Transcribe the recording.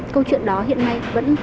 câu chuyện đó hiện nay vẫn